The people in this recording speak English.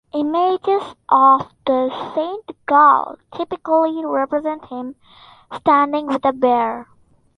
Images of Saint Gall typically represent him standing with a bear.